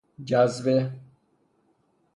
جزبه